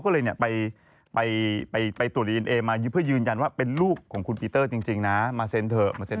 กลับไปทำงานแล้วนะนะฮะ